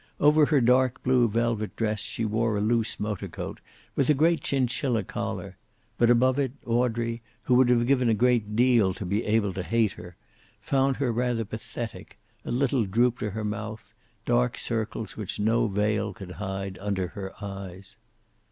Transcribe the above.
Over her dark blue velvet dress she wore a loose motor coat, with a great chinchilla collar, but above it Audrey, who would have given a great deal to be able to hate her, found her rather pathetic, a little droop to her mouth, dark circles which no veil could hide under her eyes.